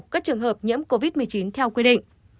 các trường hợp nhiễm covid một mươi chín theo quy định